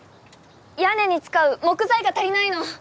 屋根に使う木材が足りないの。